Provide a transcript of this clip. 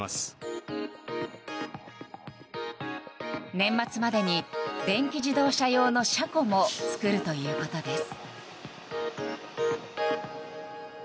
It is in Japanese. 年末までに電気自動車用の車庫も作るということです。